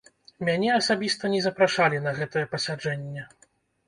Мяне асабіста не запрашалі на гэтае пасяджэнне.